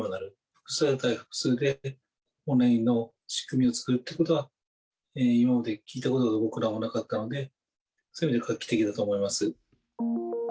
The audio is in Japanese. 複数対複数でオンラインの仕組みを作っていくことは、今まで聞いたことが僕らもなかったので、そういう意味では画期的だと思います。